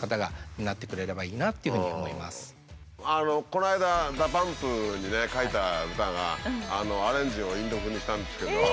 この間ＤＡＰＵＭＰにね書いた歌がアレンジをインド風にしたんですけど。